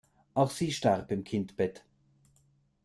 Auch sie starb im Kindbett.